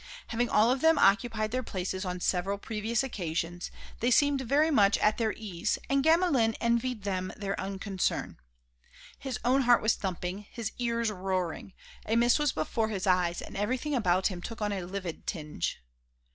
Having all of them occupied their places on several previous occasions, they seemed very much at their ease, and Gamelin envied them their unconcern. His own heart was thumping, his ears roaring; a mist was before his eyes and everything about him took on a livid tinge.